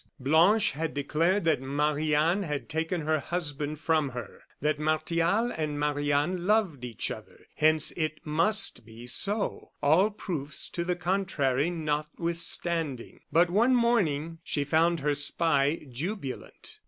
Blanche had declared that Marie Anne had taken her husband from her, that Martial and Marie Anne loved each other, hence it must be so, all proofs to the contrary notwithstanding. But one morning she found her spy jubilant.